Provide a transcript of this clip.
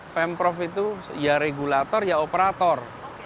pemprov itu ya regulator ya operator